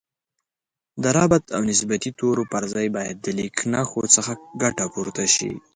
د ربط او نسبتي تورو پر ځای باید د لیکنښو څخه ګټه پورته شي